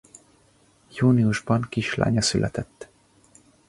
Júniusban kislánya született.